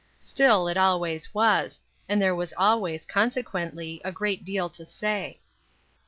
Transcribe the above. Still it always was, and there was always, consequently, a great deal to say.